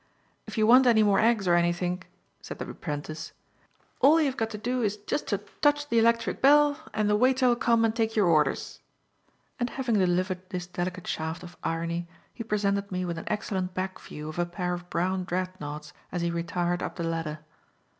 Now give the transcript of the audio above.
"If you want any more eggs or anythink," said the apprentice, "all you've got to do is just to touch the electric bell and the waiter'll come and take your orders," and having delivered this delicate shaft of irony he presented me with an excellent back view of a pair of brown dreadnoughts as he retired up the ladder.